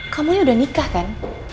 kamu ini udah nikah kan